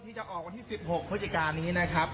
ที่จะออกวันที่๑๖พฤศจิกานี้นะครับ